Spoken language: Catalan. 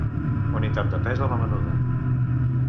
Unitat de pes a la menuda.